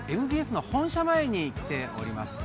ＭＢＳの本社前に来ています。